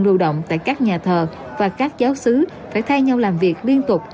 lưu động tại các nhà thờ và các giáo sứ phải thay nhau làm việc liên tục